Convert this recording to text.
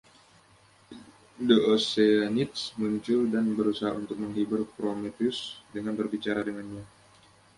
The Oceanids muncul dan berusaha untuk menghibur Prometheus dengan berbicara dengannya.